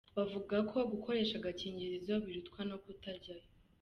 Bavuga ko gukoresha agakingirizo, birutwa no kutajyayo.